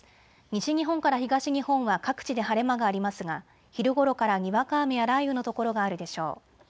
西日本から東日本は各地で晴れ間がありますが昼ごろからにわか雨や雷雨の所があるでしょう。